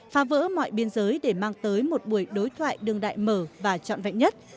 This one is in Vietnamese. phá vỡ mọi biên giới để mang tới một buổi đối thoại đường đại mở và trọn vẹn nhất